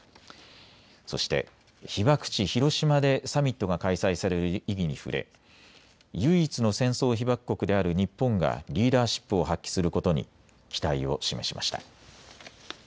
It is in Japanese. そして被爆地・広島でサミットが開催される意義に触れ、唯一の戦争被爆国である日本がリーダーシップを発揮することに期待を示しました。